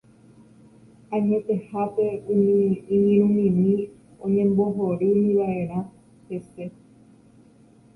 Añetehápe umi iñirũmimi oñembohorýmivaʼerã hese.